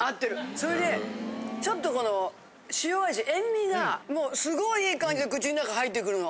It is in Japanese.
それでちょっとこの塩味塩味がもうすごいいい感じで口の中入ってくるの。